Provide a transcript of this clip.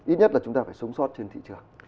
ít nhất là chúng ta phải sống sót trên thị trường